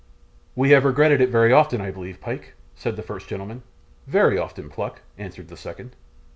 'We have regretted it very often, I believe, Pyke?' said the first gentleman. 'Very often, Pluck,' answered the second.